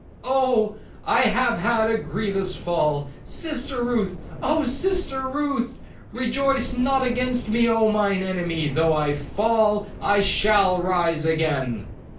'Oh! I have had a grievous fall,—Sister Ruth,—Oh Sister Ruth!—Rejoice not against me, Oh mine enemy! though I fall, I shall rise again.'